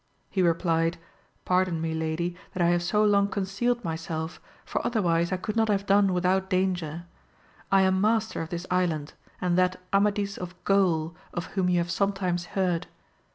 He replied. Pardon me lady that I have so long concealed myself, for otherwise I could not have done without danger. I am master of this island, and that Amadis of Gaul of whom you have sometimes heard.